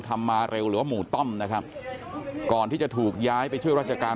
มาเร็วหรือว่าหมู่ต้อมนะครับก่อนที่จะถูกย้ายไปช่วยราชการ